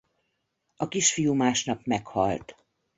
A kisfiú másnap meghalt.